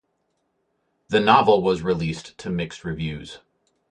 The novel was released to mixed reviews.